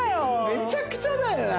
めちゃくちゃだよな。